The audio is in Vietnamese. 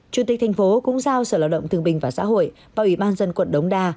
chủ tịch thành phố cũng giao sở lao động thương bình và xã hội và ủy ban dân quận đống đa